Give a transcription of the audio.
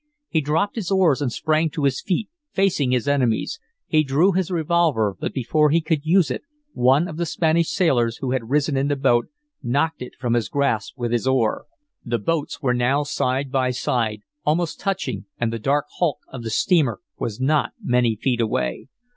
He dropped his oars and sprang to his feet, facing his enemies. He drew his revolver, but before he could use it one of the Spanish sailors, who had risen in the boat, knocked it from his grasp with his oar. The boats were now side by side, almost touching, and the dark hulk of the steamer was not many feet away.